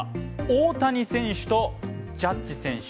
大谷選手とジャッジ選手。